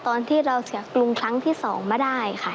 ตอนที่เราเสียกรุงครั้งที่๒มาได้ค่ะ